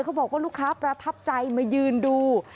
เขาบอกว่าลูกค้าประทับใจมายืนดู